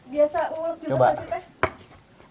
biasa ngulek juga sih teh